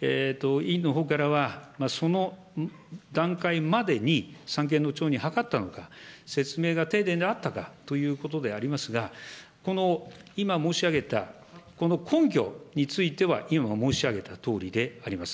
委員のほうからは、その段階までに、三権の長に諮ったのか、説明が丁寧であったかということでありますが、この今申し上げた、この根拠については、今申し上げたとおりであります。